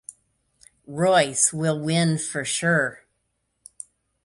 Royce will win for sure.